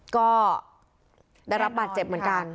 ก็ได้รับบาดเจ็บเหมือนกัน